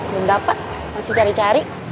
belum dapat masih cari cari